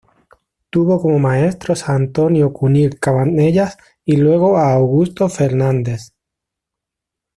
Tuvo como maestros a Antonio Cunill Cabanellas y luego a Augusto Fernandes.